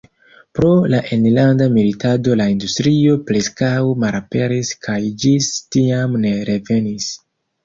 Pro la enlanda militado la industrio preskaŭ malaperis kaj ĝis tiam ne revenis.